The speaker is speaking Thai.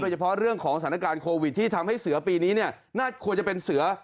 เฉพาะเรื่องของสถานการณ์โควิดที่ทำให้เสือปีนี้เนี่ยน่าควรจะเป็นเสือ